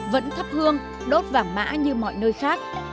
vẫn thắp hương đốt vàng mã như mọi nơi khác